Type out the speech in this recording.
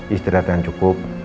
istirahat yang cukup